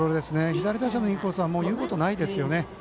左打者へのインコースは言うことないですよね。